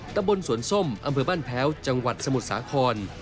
ตะบนสวนส้มอำเภอบ้านแพ้วจังหวัดสมุทรสาคร